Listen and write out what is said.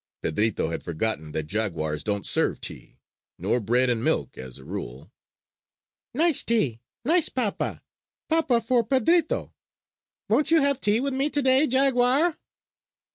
Pedrito had forgotten that jaguars don't serve tea, nor bread and milk, as a rule. "Nice tea, nice papa! Papa for Pedrito! Won't you have tea with me today, jaguar?"